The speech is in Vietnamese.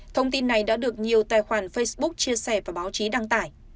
thông tin này đã được nhiều tài khoản facebook chia sẻ và báo chí đăng tải